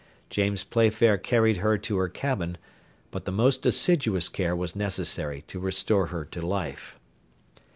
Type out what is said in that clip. James Playfair carried her to her cabin, but the most assiduous care was necessary to restore her to life.